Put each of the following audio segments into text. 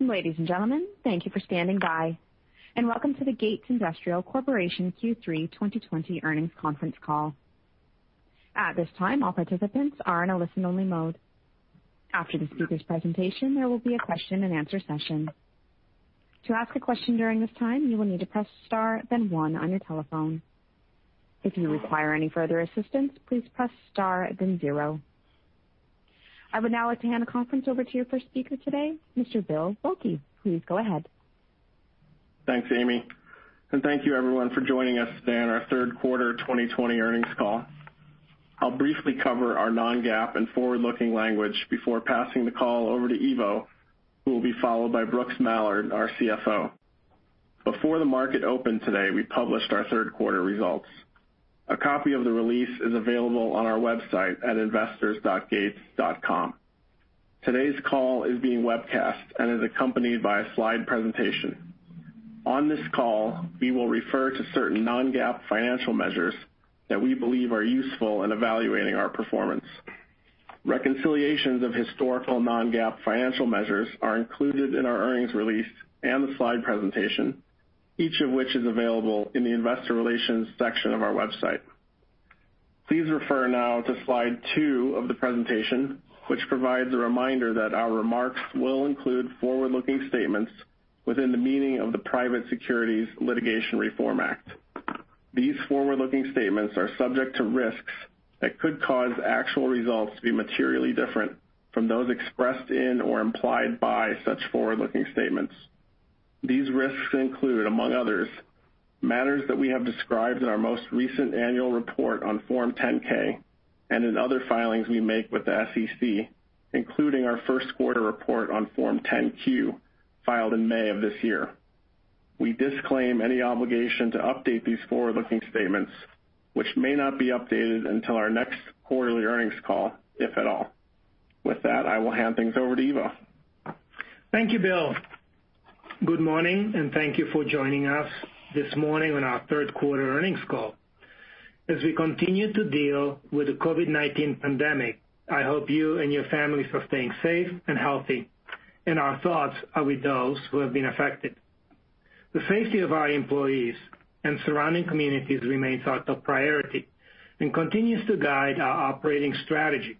Ladies and gentlemen, thank you for standing by, and welcome to the Gates Industrial Corporation Q3 2020 earnings conference call. At this time, all participants are in a listen-only mode. After the speaker's presentation, there will be a question-and-answer session. To ask a question during this time, you will need to press star, then one on your telephone. If you require any further assistance, please press star, then zero. I would now like to hand the conference over to your first speaker today, Mr. Bill Welke. Please go ahead. Thanks, Amy. Thank you, everyone, for joining us today on our third quarter 2020 earnings call. I'll briefly cover our non-GAAP and forward-looking language before passing the call over to Ivo, who will be followed by Brooks Mallard, our CFO. Before the market opened today, we published our third quarter results. A copy of the release is available on our website at investors.gates.com. Today's call is being webcast and is accompanied by a slide presentation. On this call, we will refer to certain non-GAAP financial measures that we believe are useful in evaluating our performance. Reconciliations of historical non-GAAP financial measures are included in our earnings release and the slide presentation, each of which is available in the investor relations section of our website. Please refer now to slide two of the presentation, which provides a reminder that our remarks will include forward-looking statements within the meaning of the Private Securities Litigation Reform Act. These forward-looking statements are subject to risks that could cause actual results to be materially different from those expressed in or implied by such forward-looking statements. These risks include, among others, matters that we have described in our most recent annual report on Form 10-K and in other filings we make with the SEC, including our first quarter report on Form 10-Q filed in May of this year. We disclaim any obligation to update these forward-looking statements, which may not be updated until our next quarterly earnings call, if at all. With that, I will hand things over to Ivo. Thank you, Bill. Good morning, and thank you for joining us this morning on our third quarter earnings call. As we continue to deal with the COVID-19 pandemic, I hope you and your families are staying safe and healthy, and our thoughts are with those who have been affected. The safety of our employees and surrounding communities remains our top priority and continues to guide our operating strategy.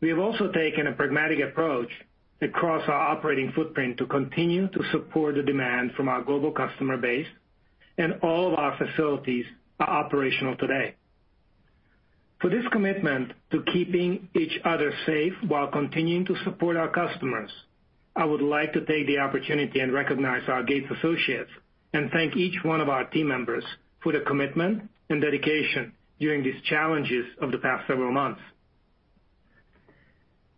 We have also taken a pragmatic approach across our operating footprint to continue to support the demand from our global customer base, and all of our facilities are operational today. For this commitment to keeping each other safe while continuing to support our customers, I would like to take the opportunity and recognize our Gates associates and thank each one of our team members for the commitment and dedication during these challenges of the past several months.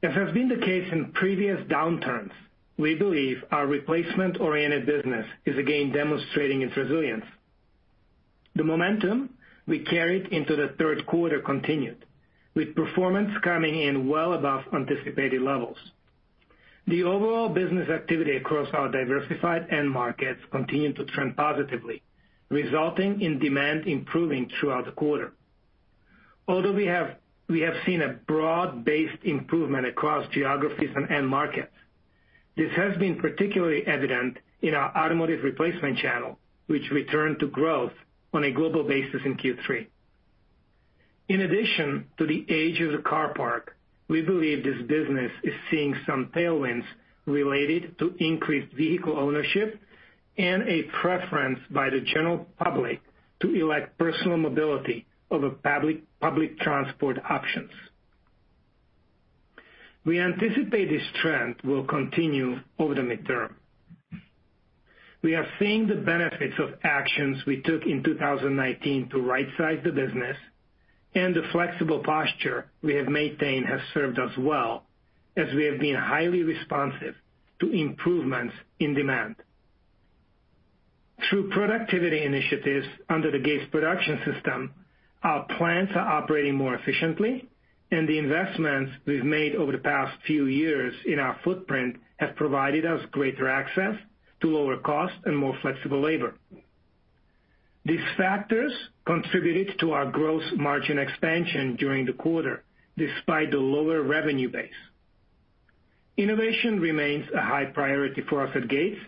As has been the case in previous downturns, we believe our replacement-oriented business is again demonstrating its resilience. The momentum we carried into the third quarter continued, with performance coming in well above anticipated levels. The overall business activity across our diversified end markets continued to trend positively, resulting in demand improving throughout the quarter. Although we have seen a broad-based improvement across geographies and end markets, this has been particularly evident in our automotive replacement channel, which returned to growth on a global basis in Q3. In addition to the age of the car park, we believe this business is seeing some tailwinds related to increased vehicle ownership and a preference by the general public to elect personal mobility over public transport options. We anticipate this trend will continue over the midterm. We are seeing the benefits of actions we took in 2019 to right-size the business, and the flexible posture we have maintained has served us well as we have been highly responsive to improvements in demand. Through productivity initiatives under the Gates Production System, our plants are operating more efficiently, and the investments we've made over the past few years in our footprint have provided us greater access to lower cost and more flexible labor. These factors contributed to our gross margin expansion during the quarter despite the lower revenue base. Innovation remains a high priority for us at Gates,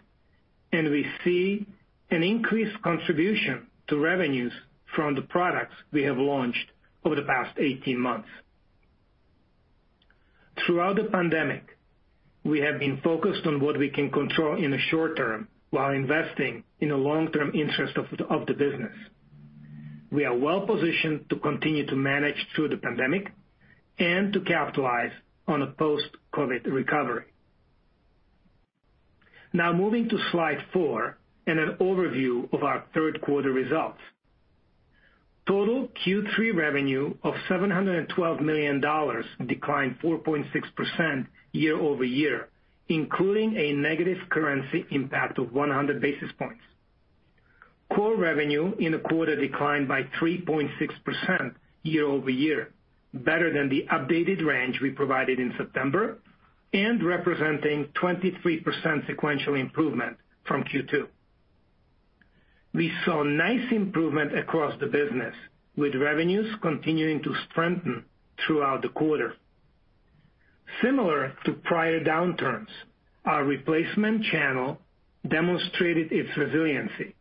and we see an increased contribution to revenues from the products we have launched over the past 18 months. Throughout the pandemic, we have been focused on what we can control in the short term while investing in the long-term interests of the business. We are well-positioned to continue to manage through the pandemic and to capitalize on a post-COVID recovery. Now, moving to slide four and an overview of our third quarter results. Total Q3 revenue of $712 million declined 4.6% year over year, including a negative currency impact of 100 basis points. Core revenue in the quarter declined by 3.6% year over year, better than the updated range we provided in September and representing 23% sequential improvement from Q2. We saw nice improvement across the business, with revenues continuing to strengthen throughout the quarter. Similar to prior downturns, our replacement channel demonstrated its resiliency.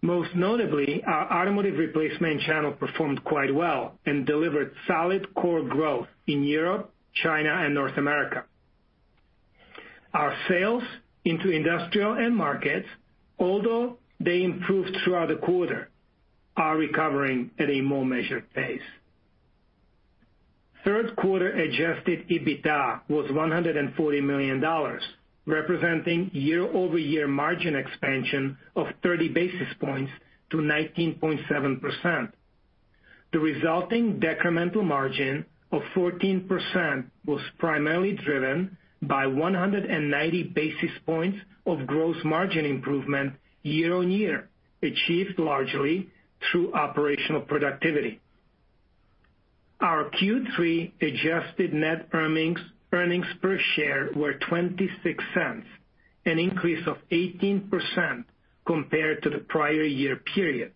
Most notably, our automotive replacement channel performed quite well and delivered solid core growth in Europe, China, and North America. Our sales into industrial end markets, although they improved throughout the quarter, are recovering at a more measured pace. Third quarter adjusted EBITDA was $140 million, representing year-over-year margin expansion of 30 basis points to 19.7%. The resulting decremental margin of 14% was primarily driven by 190 basis points of gross margin improvement year on year, achieved largely through operational productivity. Our Q3 adjusted net earnings per share were $0.26, an increase of 18% compared to the prior year period,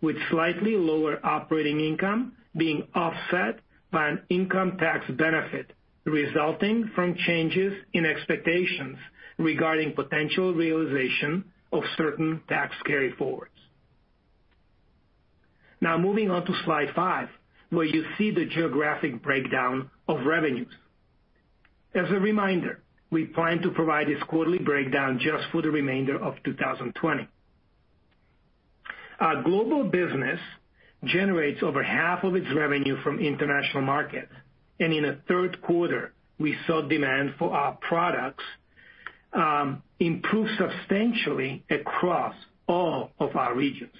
with slightly lower operating income being offset by an income tax benefit resulting from changes in expectations regarding potential realization of certain tax carryforwards. Now, moving on to slide five, where you see the geographic breakdown of revenues. As a reminder, we plan to provide this quarterly breakdown just for the remainder of 2020. Our global business generates over half of its revenue from international markets, and in the third quarter, we saw demand for our products improve substantially across all of our regions.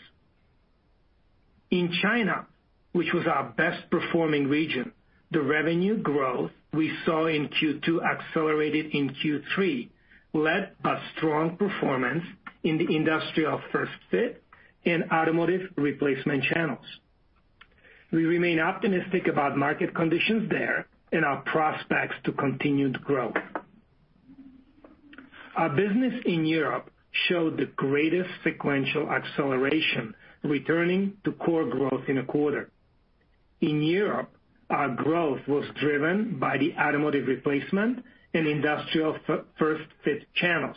In China, which was our best-performing region, the revenue growth we saw in Q2 accelerated in Q3, led by strong performance in the industrial first fit and automotive replacement channels. We remain optimistic about market conditions there and our prospects to continued growth. Our business in Europe showed the greatest sequential acceleration, returning to core growth in a quarter. In Europe, our growth was driven by the automotive replacement and industrial first fit channels.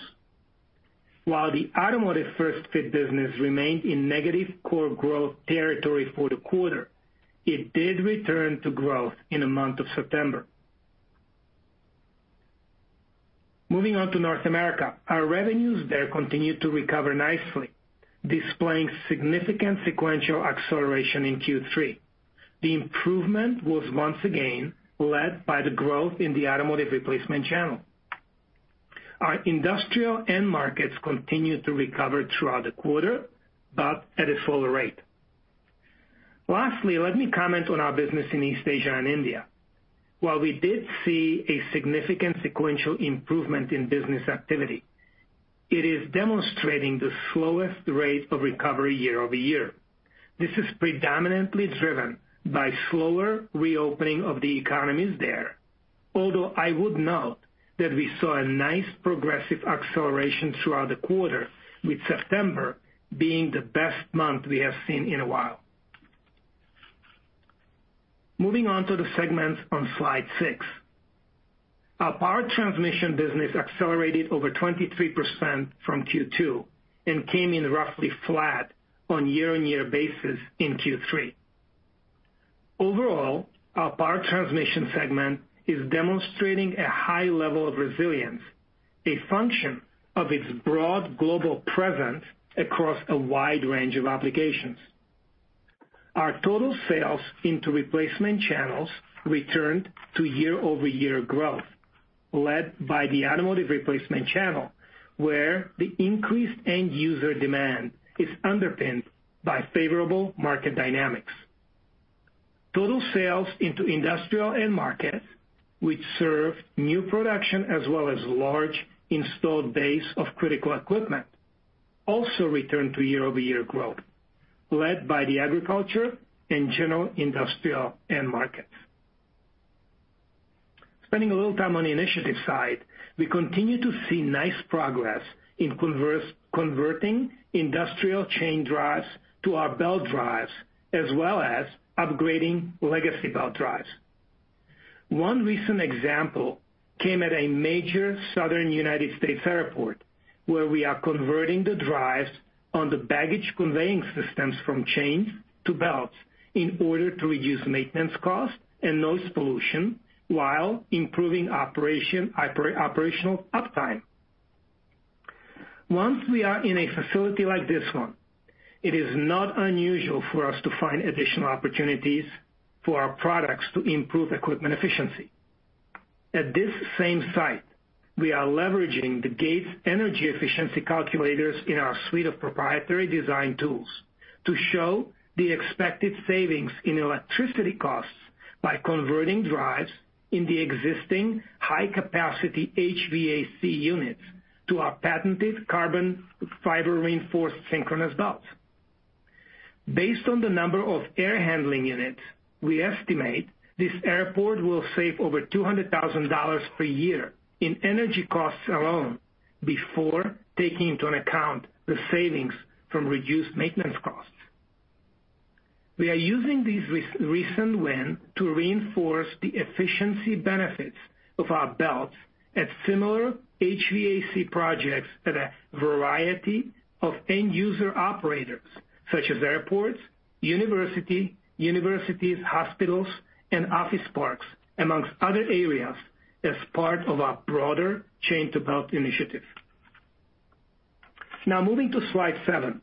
While the automotive first fit business remained in negative core growth territory for the quarter, it did return to growth in the month of September. Moving on to North America, our revenues there continued to recover nicely, displaying significant sequential acceleration in Q3. The improvement was once again led by the growth in the automotive replacement channel. Our industrial end markets continued to recover throughout the quarter, but at a slower rate. Lastly, let me comment on our business in East Asia and India. While we did see a significant sequential improvement in business activity, it is demonstrating the slowest rate of recovery year over year. This is predominantly driven by slower reopening of the economies there, although I would note that we saw a nice progressive acceleration throughout the quarter, with September being the best month we have seen in a while. Moving on to the segments on slide six, our power transmission business accelerated over 23% from Q2 and came in roughly flat on year-on-year basis in Q3. Overall, our power transmission segment is demonstrating a high level of resilience, a function of its broad global presence across a wide range of applications. Our total sales into replacement channels returned to year-over-year growth, led by the automotive replacement channel, where the increased end user demand is underpinned by favorable market dynamics. Total sales into industrial end markets, which serve new production as well as large installed base of critical equipment, also returned to year-over-year growth, led by the agriculture and general industrial end markets. Spending a little time on the initiative side, we continue to see nice progress in converting industrial chain drives to our belt drives as well as upgrading legacy belt drives. One recent example came at a major Southern United States airport, where we are converting the drives on the baggage conveying systems from chains to belts in order to reduce maintenance cost and noise pollution while improving operational uptime. Once we are in a facility like this one, it is not unusual for us to find additional opportunities for our products to improve equipment efficiency. At this same site, we are leveraging the Gates Energy Efficiency Calculators in our suite of proprietary design tools to show the expected savings in electricity costs by converting drives in the existing high-capacity HVAC units to our patented carbon fiber-reinforced synchronous belts. Based on the number of air handling units, we estimate this airport will save over $200,000 per year in energy costs alone before taking into account the savings from reduced maintenance costs. We are using these recent wins to reinforce the efficiency benefits of our belts at similar HVAC projects at a variety of end user operators, such as airports, universities, hospitals, and office parks, amongst other areas, as part of our broader chain-to-belt initiative. Now, moving to slide seven,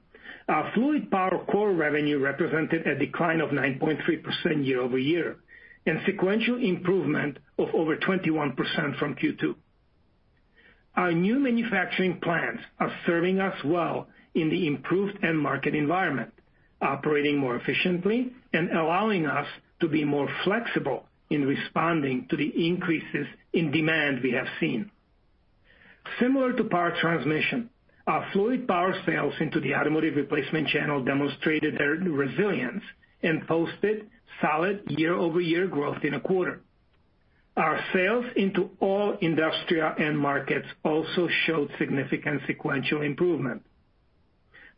our fluid power core revenue represented a decline of 9.3% year over year and sequential improvement of over 21% from Q2. Our new manufacturing plants are serving us well in the improved end market environment, operating more efficiently and allowing us to be more flexible in responding to the increases in demand we have seen. Similar to power transmission, our fluid power sales into the automotive replacement channel demonstrated their resilience and posted solid year-over-year growth in a quarter. Our sales into all industrial end markets also showed significant sequential improvement.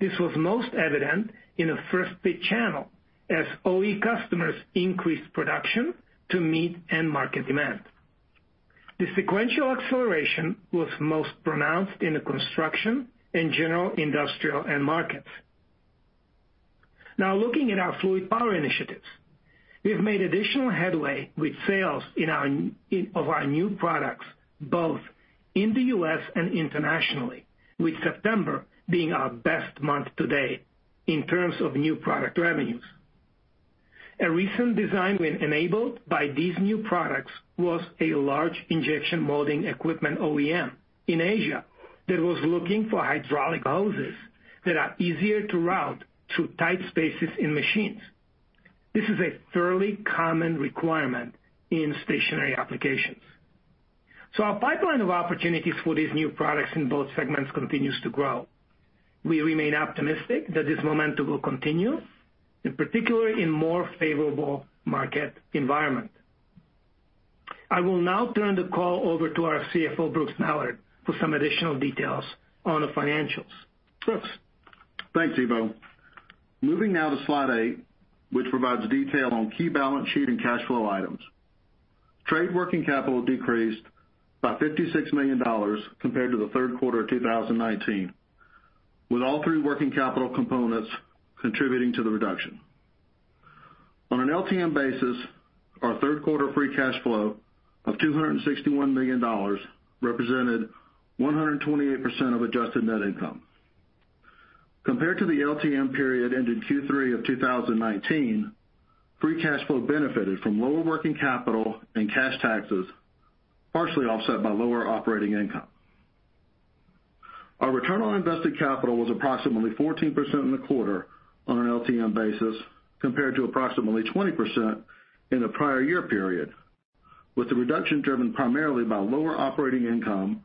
This was most evident in the first fit channel as OE customers increased production to meet end market demand. The sequential acceleration was most pronounced in the construction and general industrial end markets. Now, looking at our fluid power initiatives, we've made additional headway with sales of our new products both in the US and internationally, with September being our best month to date in terms of new product revenues. A recent design win enabled by these new products was a large injection molding equipment OEM in Asia that was looking for hydraulic hoses that are easier to route through tight spaces in machines. This is a fairly common requirement in stationary applications. Our pipeline of opportunities for these new products in both segments continues to grow. We remain optimistic that this momentum will continue, in particular in a more favorable market environment. I will now turn the call over to our CFO, Brooks Mallard, for some additional details on the financials. Brooks. Thanks, Ivo. Moving now to slide eight, which provides detail on key balance sheet and cash flow items. Trade working capital decreased by $56 million compared to the third quarter of 2019, with all three working capital components contributing to the reduction. On an LTM basis, our third quarter free cash flow of $261 million represented 128% of adjusted net income. Compared to the LTM period ended Q3 of 2019, free cash flow benefited from lower working capital and cash taxes, partially offset by lower operating income. Our return on invested capital was approximately 14% in the quarter on an LTM basis compared to approximately 20% in the prior year period, with the reduction driven primarily by lower operating income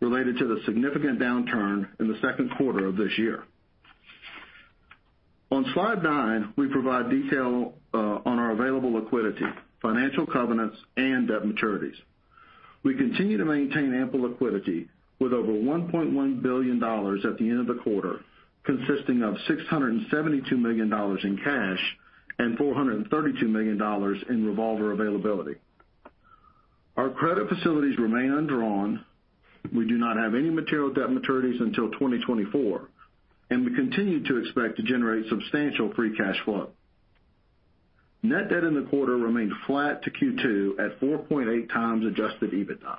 related to the significant downturn in the second quarter of this year. On slide nine, we provide detail on our available liquidity, financial covenants, and debt maturities. We continue to maintain ample liquidity with over $1.1 billion at the end of the quarter, consisting of $672 million in cash and $432 million in revolver availability. Our credit facilities remain undrawn. We do not have any material debt maturities until 2024, and we continue to expect to generate substantial free cash flow. Net debt in the quarter remained flat to Q2 at 4.8 times adjusted EBITDA.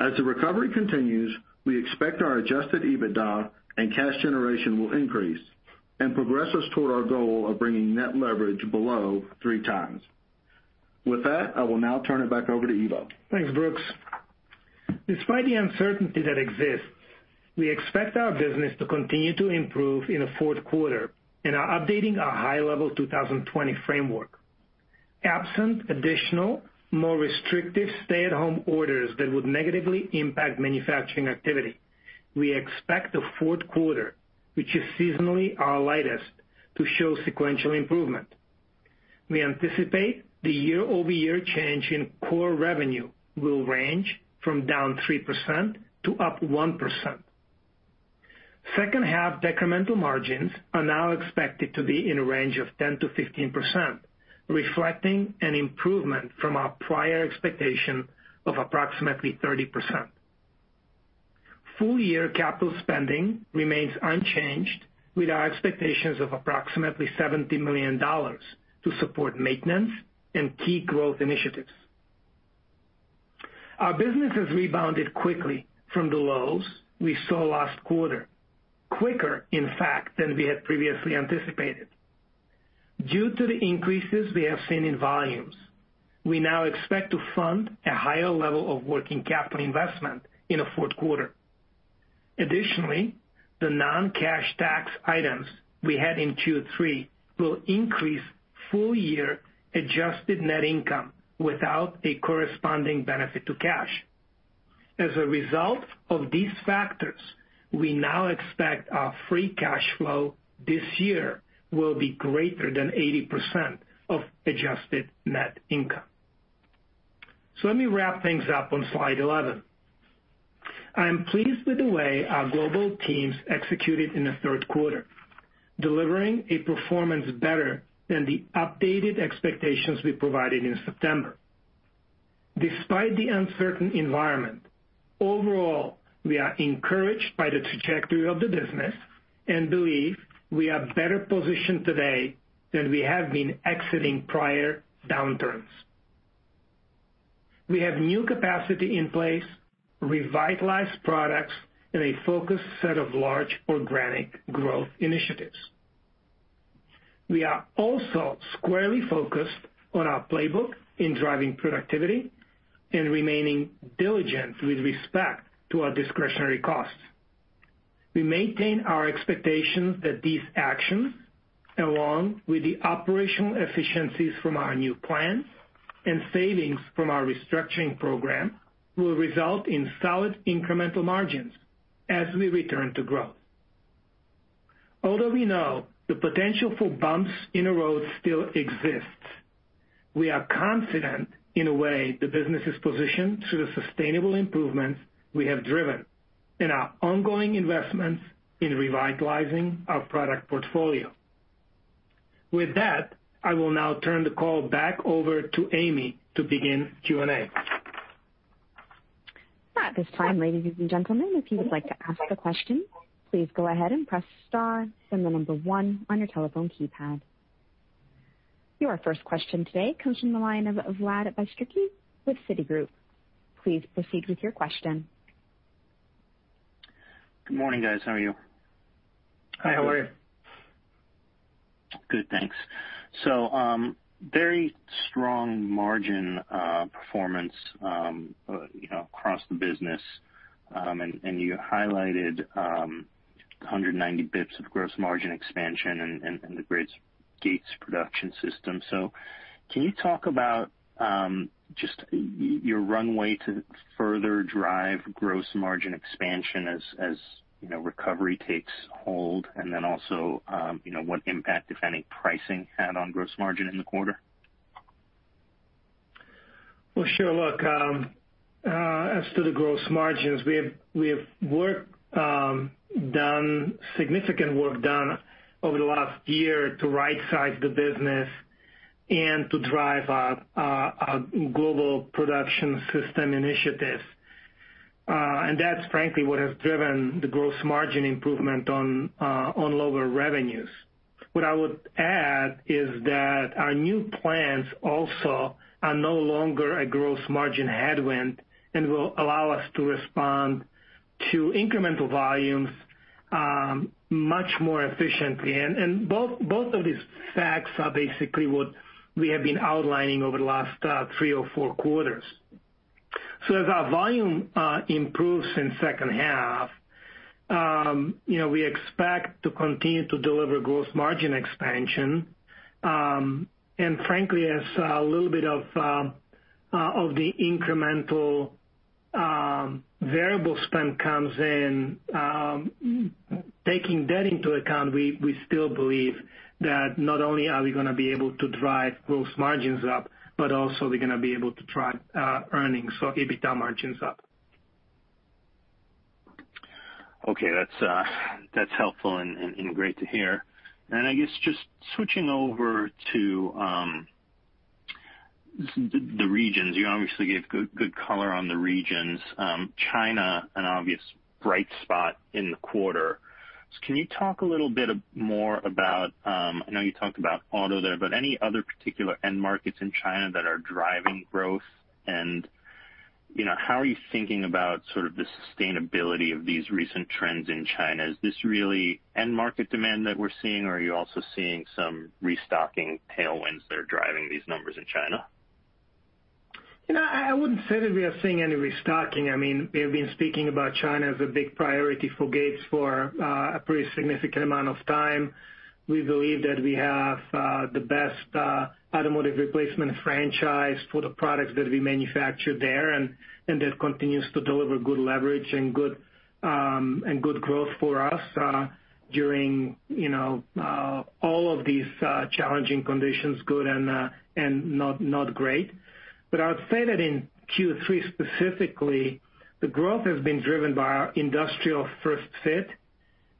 As the recovery continues, we expect our adjusted EBITDA and cash generation will increase and progress us toward our goal of bringing net leverage below three times. With that, I will now turn it back over to Ivo. Thanks, Brooks. Despite the uncertainty that exists, we expect our business to continue to improve in the fourth quarter and are updating our high-level 2020 framework. Absent additional, more restrictive stay-at-home orders that would negatively impact manufacturing activity, we expect the fourth quarter, which is seasonally our lightest, to show sequential improvement. We anticipate the year-over-year change in core revenue will range from down 3% to up 1%. Second-half decremental margins are now expected to be in a range of 10-15%, reflecting an improvement from our prior expectation of approximately 30%. Full-year capital spending remains unchanged, with our expectations of approximately $70 million to support maintenance and key growth initiatives. Our business has rebounded quickly from the lows we saw last quarter, quicker, in fact, than we had previously anticipated. Due to the increases we have seen in volumes, we now expect to fund a higher level of working capital investment in the fourth quarter. Additionally, the non-cash tax items we had in Q3 will increase full-year adjusted net income without a corresponding benefit to cash. As a result of these factors, we now expect our free cash flow this year will be greater than 80% of adjusted net income. Let me wrap things up on slide 11. I am pleased with the way our global teams executed in the third quarter, delivering a performance better than the updated expectations we provided in September. Despite the uncertain environment, overall, we are encouraged by the trajectory of the business and believe we are better positioned today than we have been exiting prior downturns. We have new capacity in place, revitalized products, and a focused set of large organic growth initiatives. We are also squarely focused on our playbook in driving productivity and remaining diligent with respect to our discretionary costs. We maintain our expectations that these actions, along with the operational efficiencies from our new plans and savings from our restructuring program, will result in solid incremental margins as we return to growth. Although we know the potential for bumps in the road still exists, we are confident in the way the business is positioned to the sustainable improvements we have driven and our ongoing investments in revitalizing our product portfolio. With that, I will now turn the call back over to Amy to begin Q and A. At this time, ladies and gentlemen, if you would like to ask a question, please go ahead and press star and the number one on your telephone keypad. Your first question today comes from the line of Bill Welke with Citigroup. Please proceed with your question. Good morning, guys. How are you? Hi. How are you? Good, thanks. Very strong margin performance across the business, and you highlighted 190 basis points of gross margin expansion and the Gates Production System. Can you talk about just your runway to further drive gross margin expansion as recovery takes hold, and then also what impact, if any, pricing had on gross margin in the quarter? Sure. Look, as to the gross margins, we have done significant work over the last year to right-size the business and to drive our global production system initiatives. That's, frankly, what has driven the gross margin improvement on lower revenues. What I would add is that our new plans also are no longer a gross margin headwind and will allow us to respond to incremental volumes much more efficiently. Both of these facts are basically what we have been outlining over the last three or four quarters. As our volume improves in the second half, we expect to continue to deliver gross margin expansion. Frankly, as a little bit of the incremental variable spend comes in, taking that into account, we still believe that not only are we going to be able to drive gross margins up, but also we are going to be able to drive earnings, so EBITDA margins up. Okay. That is helpful and great to hear. I guess just switching over to the regions, you obviously gave good color on the regions. China is an obvious bright spot in the quarter. Can you talk a little bit more about—I know you talked about auto there, but any other particular end markets in China that are driving growth? How are you thinking about the sustainability of these recent trends in China? Is this really end market demand that we're seeing, or are you also seeing some restocking tailwinds that are driving these numbers in China? I wouldn't say that we are seeing any restocking. I mean, we have been speaking about China as a big priority for Gates for a pretty significant amount of time. We believe that we have the best automotive replacement franchise for the products that we manufacture there, and that continues to deliver good leverage and good growth for us during all of these challenging conditions, good and not great. I would say that in Q3 specifically, the growth has been driven by our industrial first fit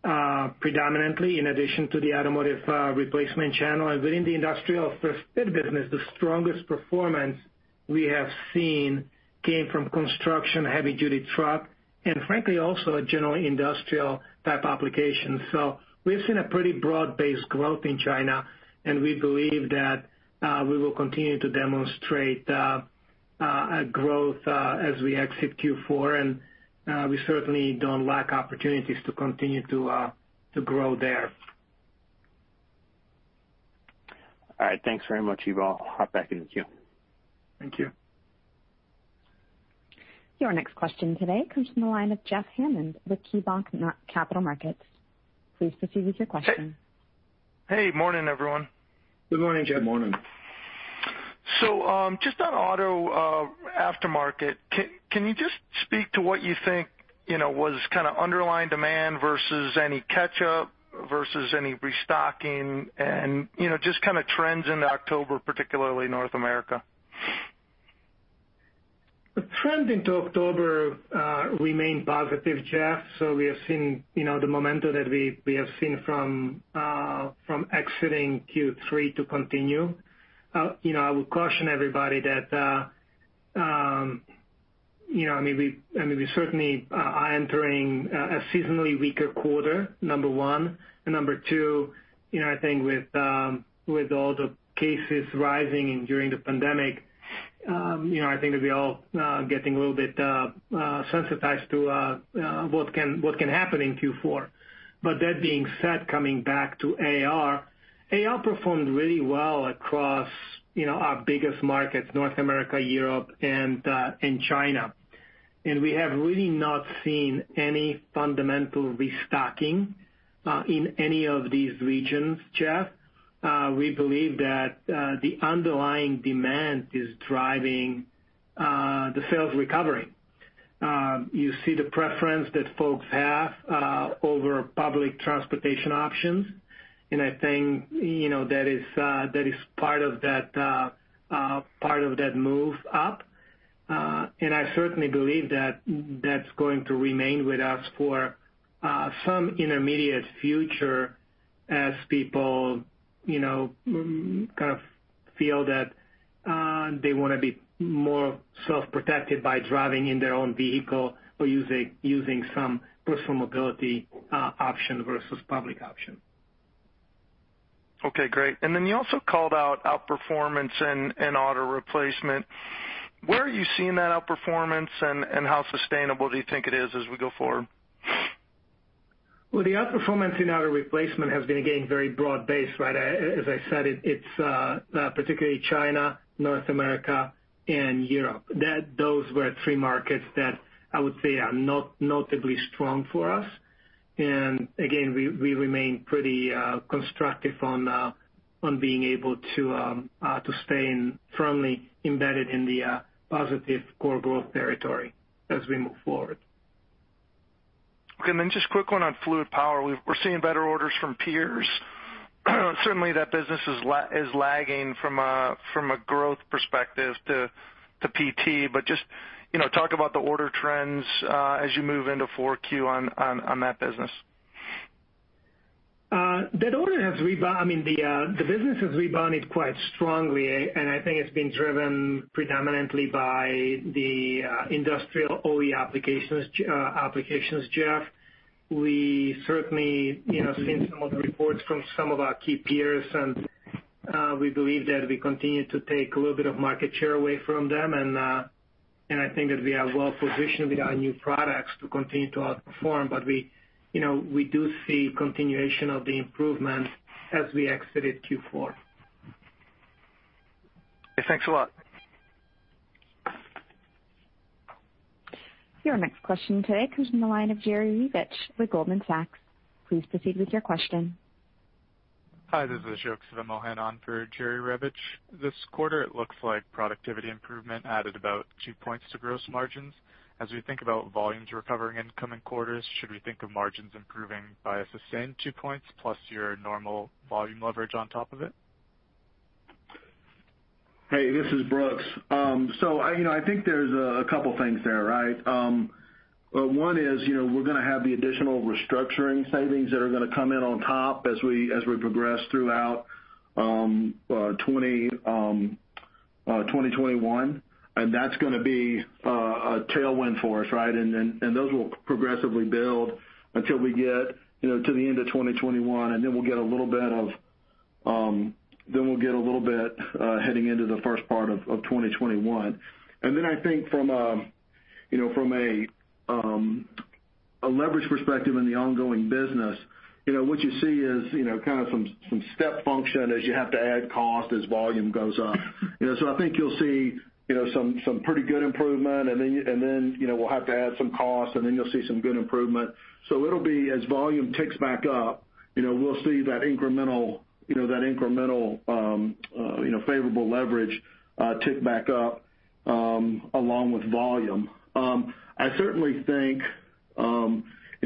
predominantly, in addition to the automotive replacement channel. Within the industrial first fit business, the strongest performance we have seen came from construction, heavy-duty truck, and frankly, also general industrial type applications. We have seen a pretty broad-based growth in China, and we believe that we will continue to demonstrate growth as we exit Q4. We certainly do not lack opportunities to continue to grow there. All right. Thanks very much, Ivo. I will hop back in with you. Thank you. Your next question today comes from the line of Jeff Hammond with KeyBank Capital Markets. Please proceed with your question. Hey. Hey. Morning, everyone. Good morning, Jeff. Good morning. Just on auto aftermarket, can you speak to what you think was kind of underlying demand versus any catch-up versus any restocking, and just kind of trends in October, particularly North America? The trend into October remained positive, Jeff. We have seen the momentum that we have seen from exiting Q3 continue. I would caution everybody that, I mean, we certainly are entering a seasonally weaker quarter, number one. Number two, I think with all the cases rising during the pandemic, I think that we are all getting a little bit sensitized to what can happen in Q4. That being said, coming back to AR, AR performed really well across our biggest markets, North America, Europe, and China. We have really not seen any fundamental restocking in any of these regions, Jeff. We believe that the underlying demand is driving the sales recovery. You see the preference that folks have over public transportation options, and I think that is part of that move up. I certainly believe that that's going to remain with us for some intermediate future as people kind of feel that they want to be more self-protected by driving in their own vehicle or using some personal mobility option versus public option. Okay great. Then you also called out outperformance in auto replacement. Where are you seeing that outperformance, and how sustainable do you think it is as we go forward? The outperformance in auto replacement has been getting very broad-based, right? As I said, it's particularly China, North America, and Europe. Those were three markets that I would say are notably strong for us. Again, we remain pretty constructive on being able to stay firmly embedded in the positive core growth territory as we move forward. Okay. Then just a quick one on fluid power. We're seeing better orders from peers. Certainly, that business is lagging from a growth perspective to PT. Just talk about the order trends as you move into Q4 on that business. That order has rebound. I mean, the business has rebounded quite strongly, and I think it's been driven predominantly by the industrial OE applications, Jeff. We certainly have seen some of the reports from some of our key peers, and we believe that we continue to take a little bit of market share away from them. I think that we are well-positioned with our new products to continue to outperform, but we do see continuation of the improvement as we exited Q4. Thanks a lot. Your next question today comes from the line of Jerry Revich with Goldman Sachs. Please proceed with your question. Hi. This is Josh Schimmer on for Jerry Revich. This quarter, it looks like productivity improvement added about two points to gross margins. As we think about volumes recovering in coming quarters, should we think of margins improving by a sustained two points plus your normal volume leverage on top of it? Hey, this is Brooks. I think there's a couple of things there, right? One is we're going to have the additional restructuring savings that are going to come in on top as we progress throughout 2021, and that's going to be a tailwind for us, right? Those will progressively build until we get to the end of 2021, and then we'll get a little bit heading into the first part of 2021. I think from a leverage perspective in the ongoing business, what you see is kind of some step function as you have to add cost as volume goes up. I think you'll see some pretty good improvement, and then we'll have to add some cost, and then you'll see some good improvement. It will be as volume ticks back up, we'll see that incremental favorable leverage tick back up along with volume. I certainly think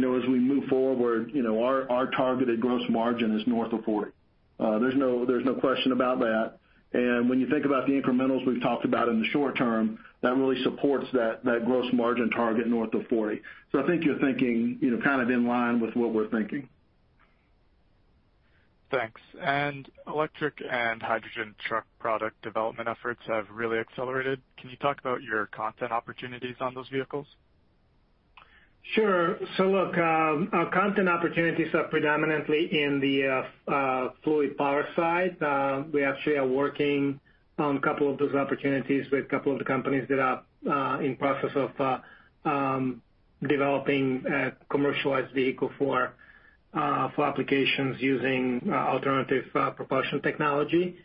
as we move forward, our targeted gross margin is north of 40%. There's no question about that. When you think about the incrementals we've talked about in the short term, that really supports that gross margin target north of 40%. I think you're thinking kind of in line with what we're thinking. Thanks. Electric and hydrogen truck product development efforts have really accelerated. Can you talk about your content opportunities on those vehicles? Sure. Look, our content opportunities are predominantly in the fluid power side. We actually are working on a couple of those opportunities with a couple of the companies that are in the process of developing a commercialized vehicle for applications using alternative propulsion technology.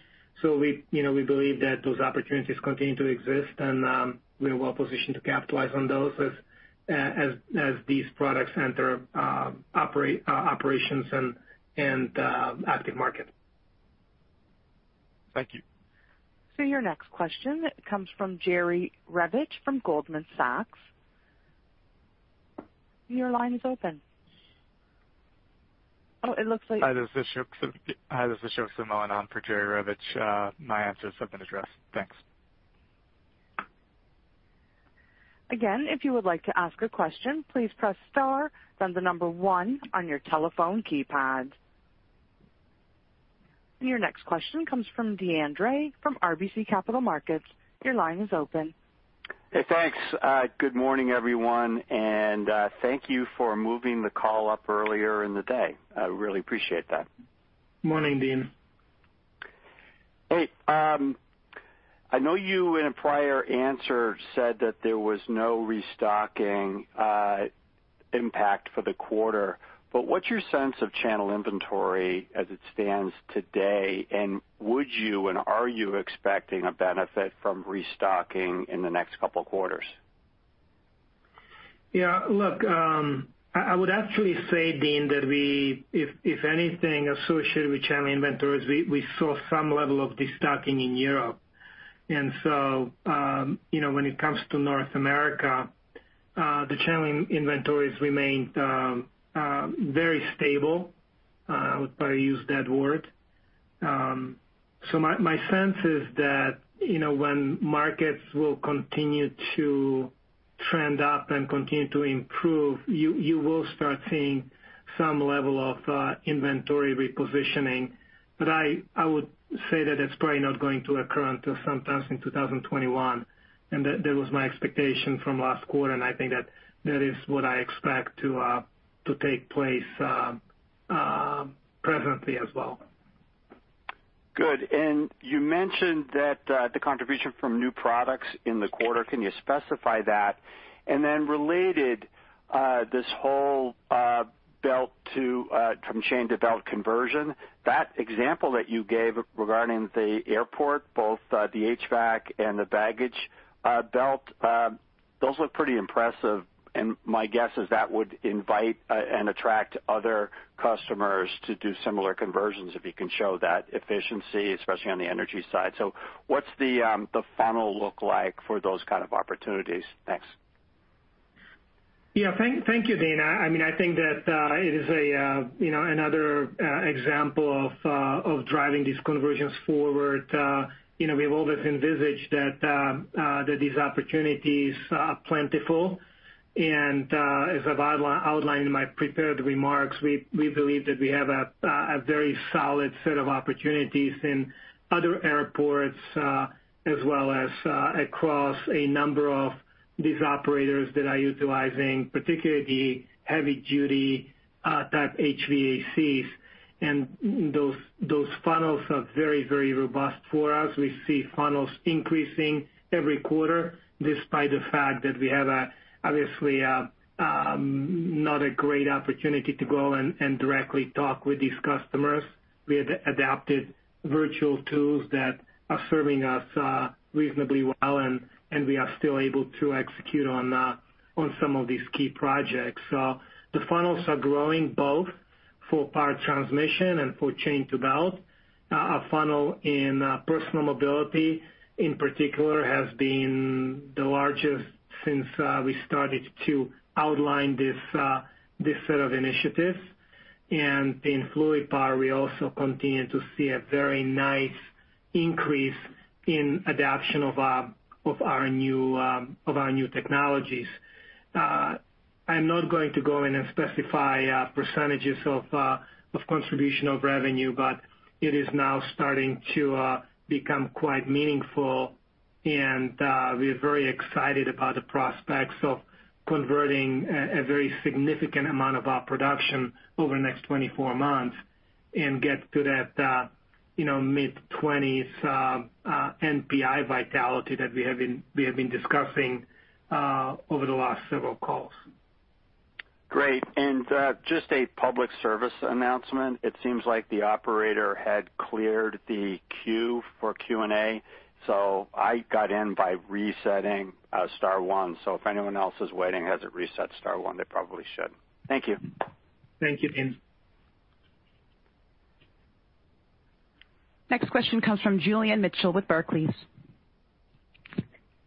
We believe that those opportunities continue to exist, and we are well-positioned to capitalize on those as these products enter operations and active market. Thank you. Your next question comes from Jerry Revich from Goldman Sachs. Your line is open. Hi. This is Jokes Van Mohan on for Jerry Revich. My answers have been addressed. Thanks. Again, if you would like to ask a question, please press star, then the number one on your telephone keypad. Your next question comes from Deane Dray from RBC Capital Markets. Your line is open. Hey, thanks. Good morning, everyone. Thank you for moving the call up earlier in the day. I really appreciate that. Morning, Deane. Hey. I know you in a prior answer said that there was no restocking impact for the quarter, but what's your sense of channel inventory as it stands today, and would you and are you expecting a benefit from restocking in the next couple of quarters? Yeah. Look, I would actually say, Deane, that if anything associated with channel inventories, we saw some level of destocking in Europe. When it comes to North America, the channel inventories remained very stable. I would probably use that word. My sense is that when markets will continue to trend up and continue to improve, you will start seeing some level of inventory repositioning. I would say that it's probably not going to occur until sometime in 2021, and that was my expectation from last quarter. I think that that is what I expect to take place presently as well. Good. You mentioned the contribution from new products in the quarter. Can you specify that? Related, this whole belt from chain to belt conversion, that example you gave regarding the airport, both the HVAC and the baggage belt, those look pretty impressive. My guess is that would invite and attract other customers to do similar conversions if you can show that efficiency, especially on the energy side. What does the funnel look like for those kind of opportunities next? Yeah. Thank you, Deane. I think that it is another example of driving these conversions forward. We have always envisaged that these opportunities are plentiful. As I've outlined in my prepared remarks, we believe that we have a very solid set of opportunities in other airports as well as across a number of these operators that are utilizing particularly heavy-duty type HVACs. Those funnels are very, very robust for us. We see funnels increasing every quarter despite the fact that we have, obviously, not a great opportunity to go and directly talk with these customers. We have adapted virtual tools that are serving us reasonably well, and we are still able to execute on some of these key projects. The funnels are growing both for power transmission and for chain to belt. Our funnel in personal mobility, in particular, has been the largest since we started to outline this set of initiatives. In fluid power, we also continue to see a very nice increase in adoption of our new technologies. I'm not going to go in and specify percentages of contribution of revenue, but it is now starting to become quite meaningful, and we're very excited about the prospects of converting a very significant amount of our production over the next 24 months and get to that mid-20s NPI vitality that we have been discussing over the last several calls. Great. Just a public service announcement. It seems like the operator had cleared the queue for Q and A, so I got in by resetting star one. If anyone else is waiting, hasn't reset star one, they probably should. Thank you. Thank you, Deane. Next question comes from Julian Mitchell with Barclays.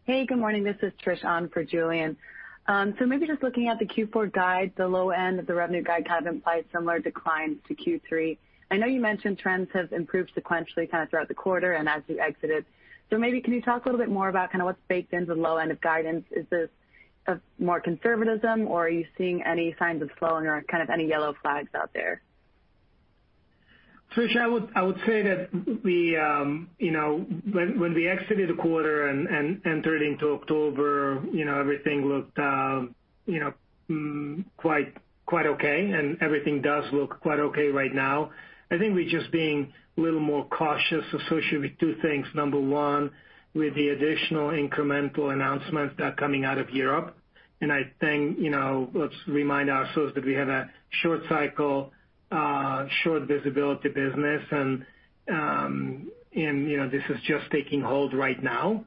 Good morning. This is Trish on for Julian. Maybe just looking at the Q4 guide, the low end of the revenue guide kind of implies similar declines to Q3. I know you mentioned trends have improved sequentially kind of throughout the quarter and as you exited. Maybe can you talk a little bit more about kind of what's baked into the low end of guidance? Is this more conservatism, or are you seeing any signs of slowing or kind of any yellow flags out there? Trish, I would say that when we exited the quarter and entered into October, everything looked quite okay, and everything does look quite okay right now. I think we're just being a little more cautious associated with two things. Number one, with the additional incremental announcements that are coming out of Europe. I think let's remind ourselves that we have a short cycle, short visibility business, and this is just taking hold right now.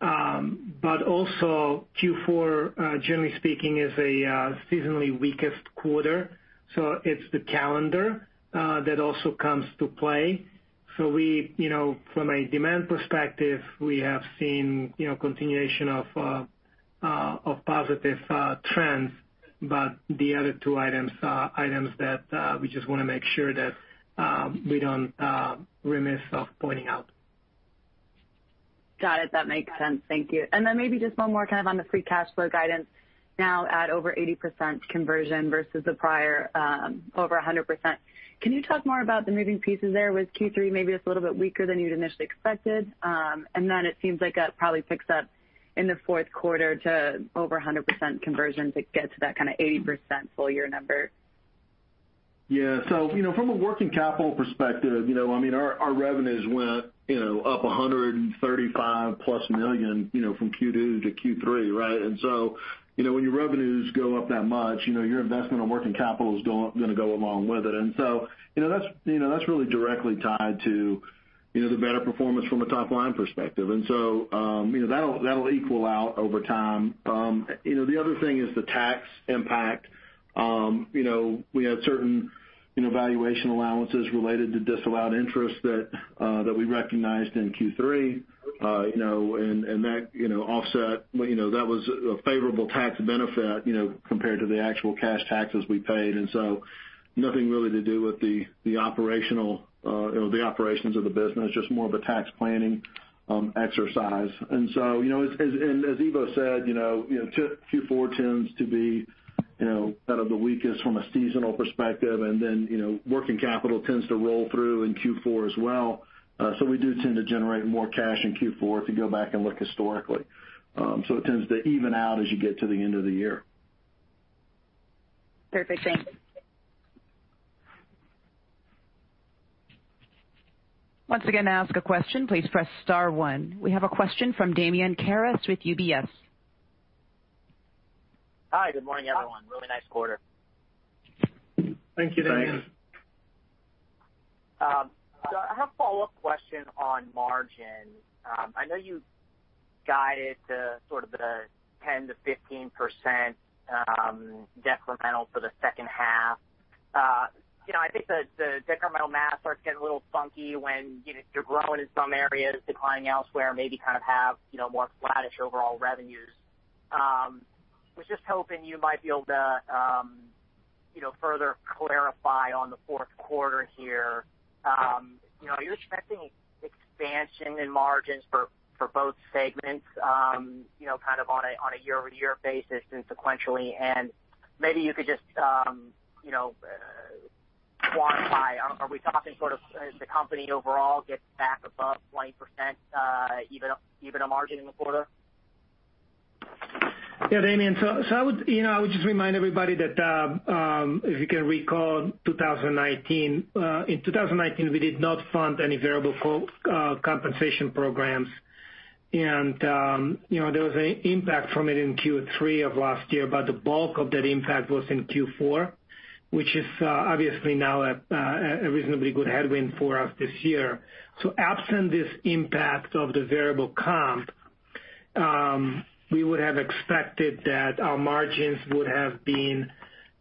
Also, Q4, generally speaking, is a seasonally weakest quarter, so it is the calendar that also comes to play. From a demand perspective, we have seen continuation of positive trends, but the other two items that we just want to make sure that we do not remiss off pointing out. Got it. That makes sense. Thank you. Maybe just one more kind of on the free cash flow guidance. Now at over 80% conversion versus the prior over 100%. Can you talk more about the moving pieces there? Was Q3 maybe just a little bit weaker than you had initially expected? It seems like that probably picks up in the fourth quarter to over 100% conversion to get to that kind of 80% full year number. Yeah. From a working capital perspective, I mean, our revenues went up $135 million plus from Q2 to Q3, right? When your revenues go up that much, your investment in working capital is going to go along with it. That is really directly tied to the better performance from a top-line perspective. That will equal out over time. The other thing is the tax impact. We had certain valuation allowances related to disallowed interest that we recognized in Q3, and that offset, that was a favorable tax benefit compared to the actual cash taxes we paid. Nothing really to do with the operational or the operations of the business, just more of a tax planning exercise. As Ivo said, Q4 tends to be kind of the weakest from a seasonal perspective, and then working capital tends to roll through in Q4 as well. We do tend to generate more cash in Q4 if you go back and look historically. It tends to even out as you get to the end of the year. Perfect. Thank you. Once again, to ask a question, please press star one. We have a question from Damien Karas with UBS. Hi. Good morning, everyone. Really nice quarter. Thank you, Deane. Thanks. I have a follow-up question on margin. I know you guided to sort of the 10%-15% decremental for the second half. I think the decremental math starts getting a little funky when you're growing in some areas, declining elsewhere, maybe kind of have more flattish overall revenues. I was just hoping you might be able to further clarify on the fourth quarter here. Are you expecting expansion in margins for both segments kind of on a year-over-year basis and sequentially? Maybe you could just quantify. Are we talking sort of as the company overall gets back above 20% EBITDA margin in the quarter? Yeah, Damien. I would just remind everybody that if you can recall 2019, in 2019, we did not fund any variable compensation programs. There was an impact from it in Q3 of last year, but the bulk of that impact was in Q4, which is obviously now a reasonably good headwind for us this year. Absent this impact of the variable comp, we would have expected that our margins would have been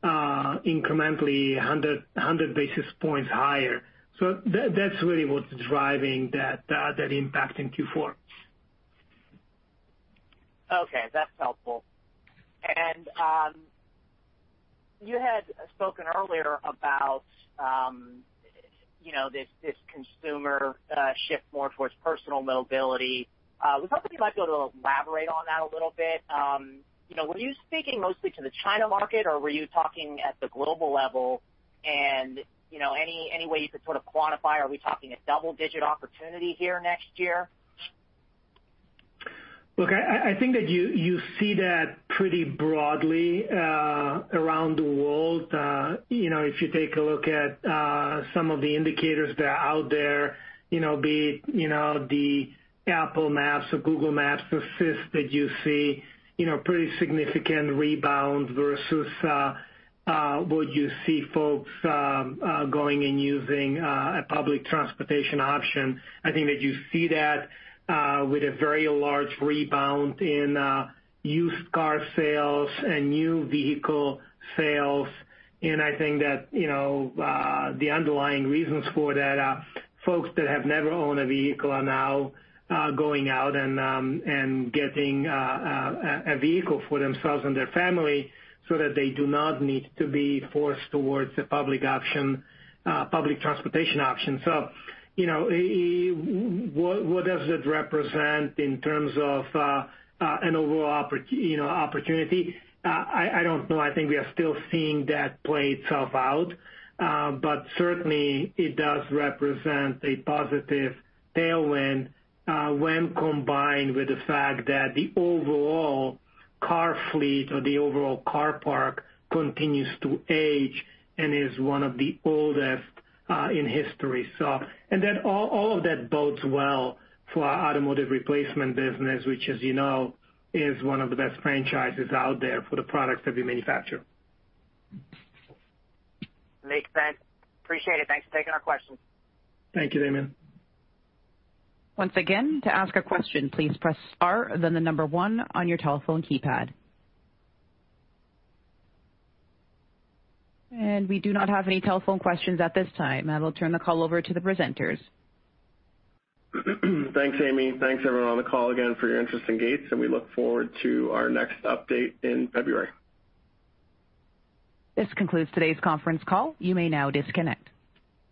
incrementally 100 basis points higher. That is really what is driving that impact in Q4. Okay. That is helpful. You had spoken earlier about this consumer shift more towards personal mobility. We would love if you might be able to elaborate on that a little bit. Were you speaking mostly to the China market, or were you talking at the global level? Any way you could sort of quantify, are we talking a double-digit opportunity here next year? Look, I think that you see that pretty broadly around the world. If you take a look at some of the indicators that are out there, be it the Apple Maps or Google Maps assist that you see, pretty significant rebound versus what you see folks going and using a public transportation option. I think that you see that with a very large rebound in used car sales and new vehicle sales. I think that the underlying reasons for that, folks that have never owned a vehicle are now going out and getting a vehicle for themselves and their family so that they do not need to be forced towards the public option, public transportation option. What does it represent in terms of an overall opportunity? I don't know. I think we are still seeing that play itself out, but certainly it does represent a positive tailwind when combined with the fact that the overall car fleet or the overall car park continues to age and is one of the oldest in history. All of that bodes well for our automotive replacement business, which, as you know, is one of the best franchises out there for the products that we manufacture. Makes sense. Appreciate it. Thanks for taking our questions. Thank you, Damien. Once again, to ask a question, please press star and then the number one on your telephone keypad. We do not have any telephone questions at this time. I will turn the call over to the presenters. Thanks, Amy. Thanks, everyone, on the call again for your interest in Gates, and we look forward to our next update in February. This concludes today's conference call. You may now disconnect.